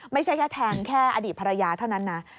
ไม่ใช่แค่แทงแค่อดีตภรรยาเท่านั้นนะ